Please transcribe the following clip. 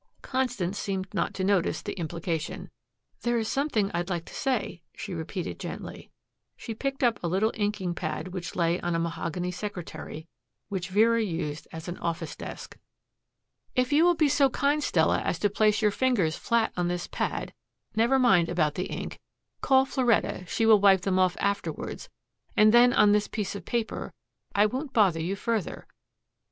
Constance seemed not to notice the implication. "There is something I'd like to say," she repeated gently. She picked up a little inking pad which lay on a mahogany secretary which Vera used as an office desk. "If you will be so kind, Stella, as to place your fingers flat on this pad never mind about the ink; call Floretta; she will wipe them off afterwards and then on this piece of paper, I won't bother you further."